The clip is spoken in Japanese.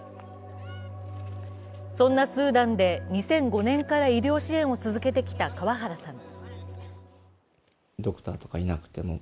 そんなスーダンで２００５年から医療支援を続けてきた川原さん。